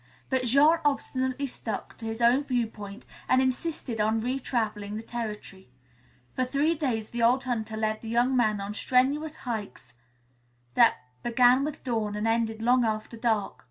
But Jean obstinately stuck to his own viewpoint and insisted on re traveling that territory. For three days the old hunter led the young man on strenuous hikes that began with dawn and ended long after dark.